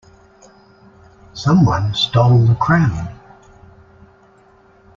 Someone stole the crown!